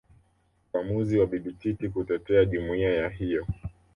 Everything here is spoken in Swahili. Uamuzi wa Bibi Titi kutetea jumuiya ya hiyo